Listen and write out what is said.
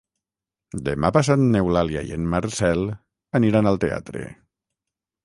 Demà passat n'Eulàlia i en Marcel aniran al teatre.